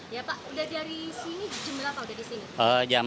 ya pak sudah dari sini jam sembilan